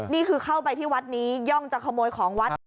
นี่คือเข้าไปที่วัดนี้ย่องจะขโมยของวัด